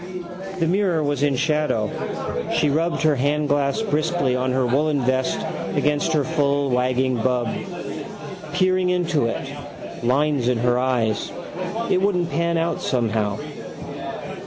The mirror was in shadow. She rubbed her handglass briskly on her woollen vest against her full wagging bub. Peering into it. Lines in her eyes. It wouldn't pan out somehow.